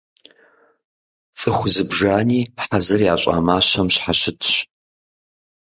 Цӏыху зыбжани хьэзыр ящӏа мащэм щхьэщытщ.